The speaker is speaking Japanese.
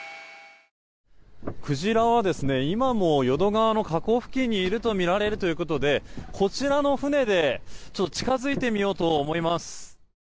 クジラは今も淀川の河口付近にいるとみられるということでこちらの船で近づいてみようと思います。